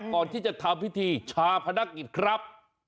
ก่อนที่จะทำพิธีชาพนักกิจครับ